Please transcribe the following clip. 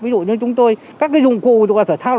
ví dụ như chúng tôi các dụng cụ thử thao